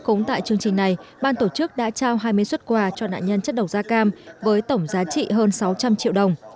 cũng tại chương trình này ban tổ chức đã trao hai mươi xuất quà cho nạn nhân chất độc da cam với tổng giá trị hơn sáu trăm linh triệu đồng